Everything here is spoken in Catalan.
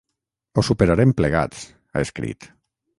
Ho superarem plegats, ha escrit.